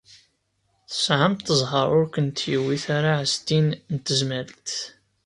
Tesɛamt zzheṛ ur kent-iwit ara Ɛezdin n Tezmalt.